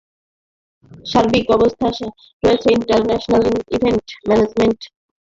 সার্বিক ব্যবস্থায় রয়েছে international event management company Grey Advertising Bangladesh limited.